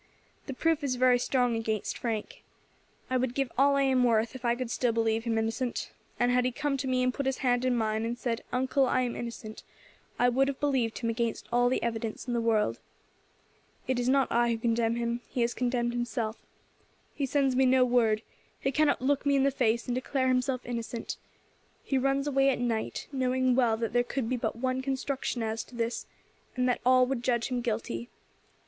The proof is very strong against Frank. I would give all I am worth if I could still believe him innocent, and had he come to me and put his hand in mine, and said, 'Uncle, I am innocent,' I would have believed him against all the evidence in the world. It is not I who condemn him, he has condemned himself. He sends me no word; he cannot look me in the face and declare himself innocent. He runs away at night, knowing well that there could be but one construction as to this, and that all would judge him guilty.